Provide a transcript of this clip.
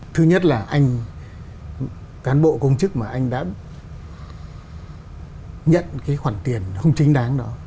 thứ nhất là anh cán bộ công chức mà anh đã nhận cái khoản tiền không chính đáng đó